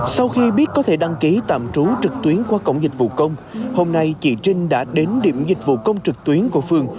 sau khi biết có thể đăng ký tạm trú trực tuyến qua cổng dịch vụ công hôm nay chị trinh đã đến điểm dịch vụ công trực tuyến của phường